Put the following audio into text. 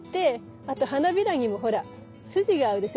あと花びらにもほら筋があるでしょ。